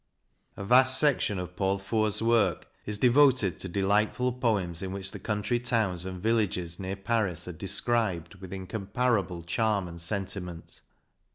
A vast section of Paul Fort's work is devoted to delightful poems in which the country towns and villages near Paris are described with incomparable charm and sentiment.